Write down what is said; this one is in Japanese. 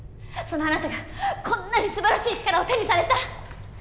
そのあなたがこんなにすばらしい力を手にされた。